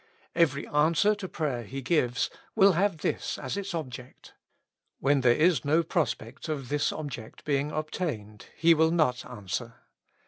Every answer to prayer He gives will have this as its object : when there is no prospect of this object being obtained, He will not answer.